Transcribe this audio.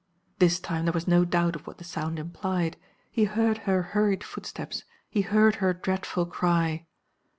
This time there was no doubt of what the sound implied. He heard her hurried footsteps; he heard her dreadful cry.